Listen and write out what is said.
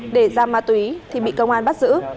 để ra ma túy thì bị công an bắt giữ